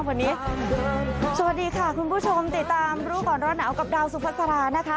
สวัสดีค่ะคุณผู้ชมติดตามรู้ก่อนร้อนหนาวกับดาวสุภาษานะคะ